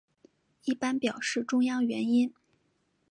一般表示中央元音。